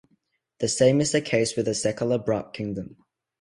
The same is the case with the Sekala Brak Kingdom.